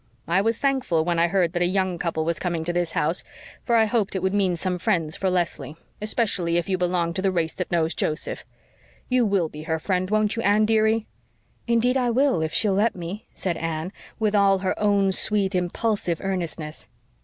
I was thankful when I heard that a young couple was coming to this house, for I hoped it would mean some friends for Leslie; especially if you belonged to the race that knows Joseph. You WILL be her friend, won't you, Anne, dearie?" "Indeed I will, if she'll let me," said Anne, with all her own sweet, impulsive earnestness.